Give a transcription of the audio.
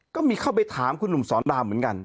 ก็มีเข้าไปถามคุณหนุ่มสอนรามเหมือนกัน